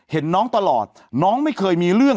เห็นน้องตลอดน้องไม่เคยมีเรื่อง